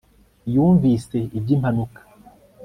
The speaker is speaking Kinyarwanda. Yumvise ibyimpanuka